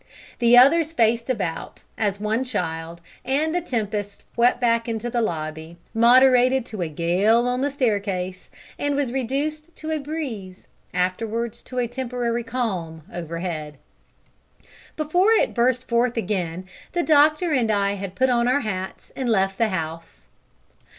The others faced about, as one child, and the tempest swept back into the lobby, moderated to a gale on the staircase, and was reduced to a breeze afterwards to a temporary calm overhead. Before it burst forth again the doctor and I had put on our hats and left the house.